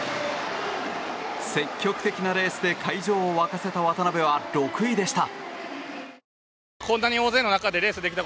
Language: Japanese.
積極的なレースで会場を沸かせた渡辺は６位でした。